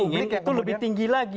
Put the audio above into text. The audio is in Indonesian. dan kita ingin itu lebih tinggi lagi